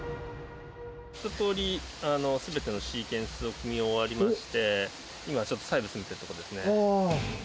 一とおり、すべてのシーケンスを組み終わりまして、今はちょっと細部を詰めてるところですね。